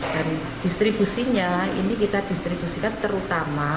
dan distribusinya ini kita distribusikan terutama